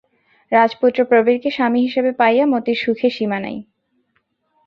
রাজপুত্র প্রবীরকে স্বামী হিসাবে পাইয়া মতির সুখের সীমা নাই।